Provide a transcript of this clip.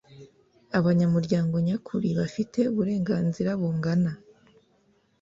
abanyamuryango nyakuri bafite uburenganzira bungana